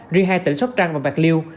riêng hai tỉnh sóc trăng và bạc liêu